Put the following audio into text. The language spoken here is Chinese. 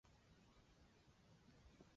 蓬考斯。